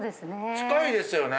近いですよね？